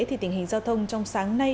thì tình hình giao thông trong sáng nay